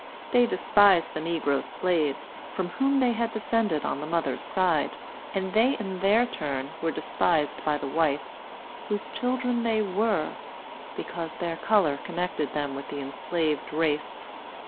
They despised the negro slaves, from whom they had descended on the mother's side; and they in their turn were despised by the whites, whose children they were, because their color connected them with the enslaved race.